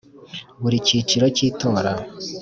Buri cyiciro cy itora